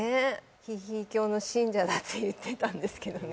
ヒーヒー教の信者だって言ってたんですけどね